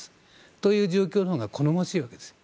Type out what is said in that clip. という状況のほうが好ましいわけです。